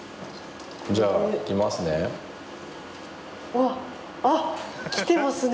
じゃあいきますね。